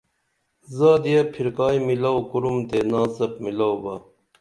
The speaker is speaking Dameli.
زادیہ پھرکائی میلاو کُرُم تے ناڅپ میلاو با